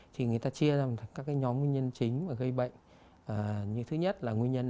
thì người ta chia ra các cái nhóm nguyên nhân chính mà gây bệnh như thứ nhất là nguyên nhân